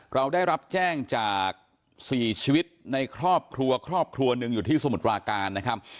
เราได้รับแจ้งจาก๔ชีวิตในครอบครัวครอบครัวหนึ่งอยู่ที่สมุทรปราการนะครับ